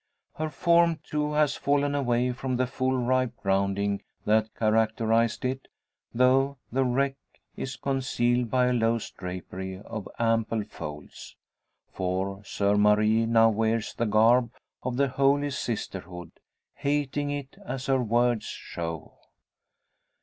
Her form, too, has fallen away from the full ripe rounding that characterised it, though the wreck is concealed by a loose drapery of ample folds. For Soeur Marie now wears the garb of the Holy Sisterhood hating it, as her words show.